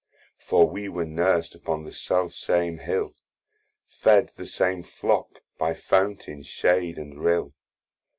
For we were nurst upon the self same hill, Fed the same flock, by fountain, shade, and rill.